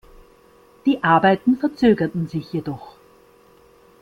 Die Arbeiten verzögerten sich jedoch.